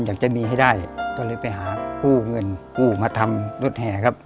อยากจะมีให้ได้ก็เลยไปหากู้เงินกู้มาทำรถแห่ครับ